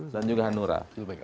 dan juga hanura